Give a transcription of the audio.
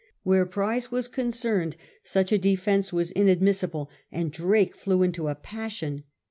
Where prize was concerned such a defence was inadmissible, and Drake flew into a passion.